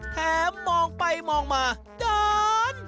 แถมมองไปมองมาด้าน